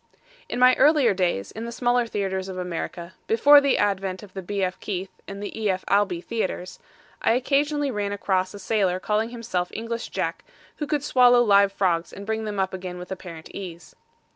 In my earlier days in the smaller theaters of America, before the advent of the B. F. Keith and E. F. Albee theaters, I occasionally ran across a sailor calling himself English Jack, who could swallow live frogs and bring them up again with apparent ease.